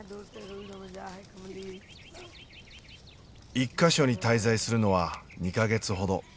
１か所に滞在するのは２か月ほど。